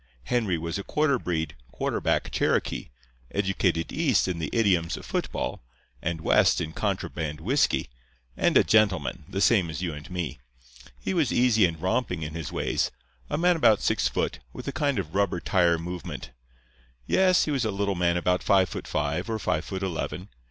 Henry was a quarter breed, quarter back Cherokee, educated East in the idioms of football, and West in contraband whisky, and a gentleman, the same as you and me. He was easy and romping in his ways; a man about six foot, with a kind of rubber tire movement. Yes, he was a little man about five foot five, or five foot eleven.